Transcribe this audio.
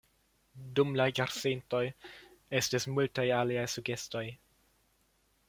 Dum la jarcentoj, estis multaj aliaj sugestoj.